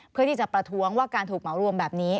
เพื่อที่จะประท้วงว่าการถูกเหมารวมแบบนี้